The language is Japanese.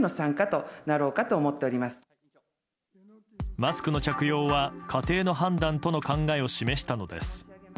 マスクの着用は家庭の判断との考えを示したのです。